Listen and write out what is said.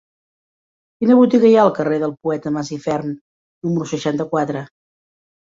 Quina botiga hi ha al carrer del Poeta Masifern número seixanta-quatre?